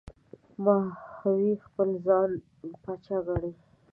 ماهوی خپل ځان پاچا ګڼي.